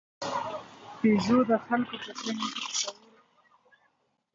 پيژو د خلکو په ذهن کې قوي تصور لري.